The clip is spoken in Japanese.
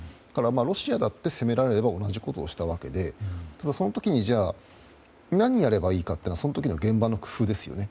ロシアだって、攻められれば同じことをしたわけでその時に、じゃあ何をやればいいかというのはその時の現場の工夫ですよね。